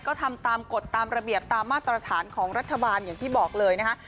ก็ทำตามกฎตามระเบียบตามมาตรฐานของรัฐบาลอย่างที่บอกเลยนะคะ